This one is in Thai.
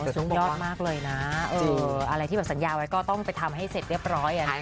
สุดยอดมากเลยนะอะไรที่แบบสัญญาไว้ก็ต้องไปทำให้เสร็จเรียบร้อย